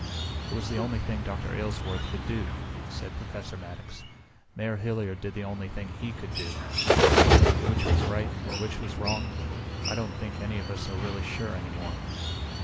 "It was the only thing Dr. Aylesworth could do," said Professor Maddox. "Mayor Hilliard did the only thing he could do. Which was right, and which was wrong I don't think any of us are really sure any more."